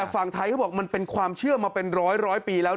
ฟางไทยก็บอกมันเป็นความเชื่อมาเป็นร้อยร้อยปีแล้ว